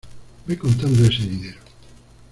ve contando ese dinero.